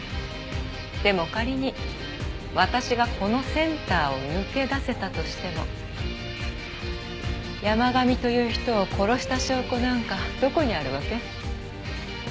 でも仮に私がこのセンターを抜け出せたとしても山神という人を殺した証拠なんかどこにあるわけ？